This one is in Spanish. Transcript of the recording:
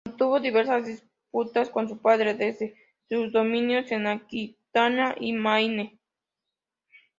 Mantuvo diversas disputas con su padre desde sus dominios en Aquitania y Maine.